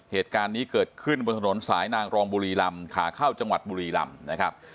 เหตุการณ์นี้เกิดขึ้นบนถนนสายนางรองบุรีลำขาเข้าจังหวัดบุรีลำนะครับ